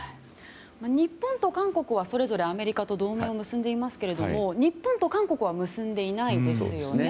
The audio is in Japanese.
日本と韓国はそれぞれアメリカと同盟を結んでいますが日本と韓国は結んでいないですよね。